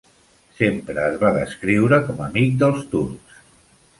Sempre es va descriure com amic dels turcs.